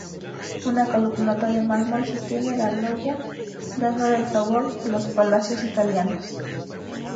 Una columnata de mármol sostiene la loggia dándole el sabor de los palacios italianos.